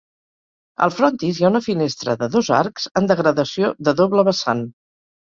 Al frontis hi ha una finestra de dos arcs en degradació de doble vessant.